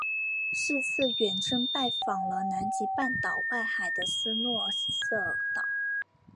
是次远征拜访了南极半岛外海的斯诺希尔岛。